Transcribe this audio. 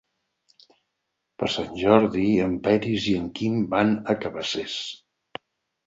Per Sant Jordi en Peris i en Quim van a Cabacés.